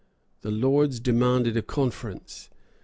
The Lords demanded a conference.